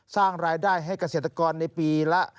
สร้างรายได้ให้เกษตรกรในปีละ